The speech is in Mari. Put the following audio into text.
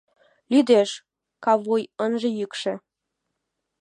Лӱдеш, кавуй, ынже йӱкшӧ...